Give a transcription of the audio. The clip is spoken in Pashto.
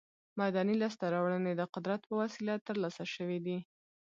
مدني لاسته راوړنې د قدرت په وسیله تر لاسه شوې دي.